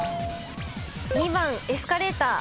２番エスカレーター。